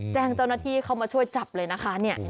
แจ้งเจ้าหน้าที่เข้ามาช่วยจับเลยนะคะ